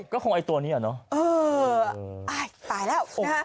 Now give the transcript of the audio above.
ก็คงไอ้ตัวเนี้ยเนอะเออใอ้ตายแล้ว